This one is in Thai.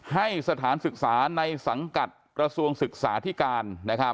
ให้สถานศึกษาในสังกัดกระทรวงศึกษาที่การ